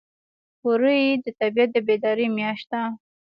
وری د طبیعت د بیدارۍ میاشت ده.